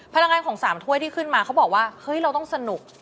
พลังงานของ๓ถ้วยที่ขึ้นมาเขาบอกว่าเฮ้ยเราต้องสนุก